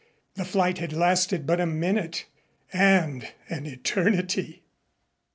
The flight had lasted but a minute and an eternity.